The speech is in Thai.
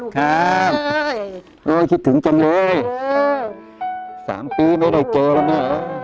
มาเนอะลูกค้าคิดถึงจำเลย๓ปีไม่ได้เจอแล้วนะ